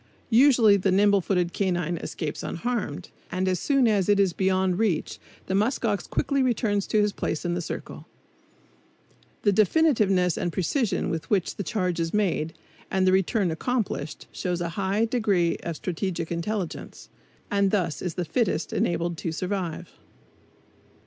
Usually the nimble footed canine escapes unharmed, and as soon as it is beyond reach the musk ox quickly returns to his place in the circle. The definiteness and precision with which the charge is made and the return accomplished shows a high degree of strategic intelligence; and thus is the fittest enabled to survive.